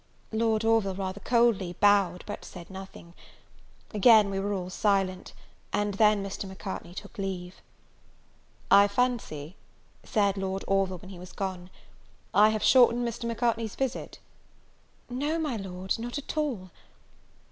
Lord Orville, rather coldly, bowed, but said nothing. Again we were all silent, and then Mr. Macartney took leave. "I fancy," said Lord Orville, when he was gone, "I have shortened Mr. Macartney's visit?" "No, my Lord, not at all."